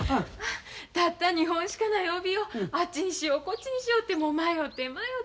たった２本しかない帯をあっちにしようこっちにしようってもう迷って迷って。